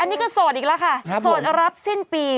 อันนี้ก็โสดอีกแล้วค่ะโสดรับสิ้นปี